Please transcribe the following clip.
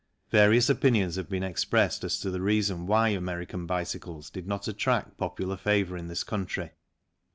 Various opinions have been expressed as to the reason why American bicycles did not attract popular favour in this country.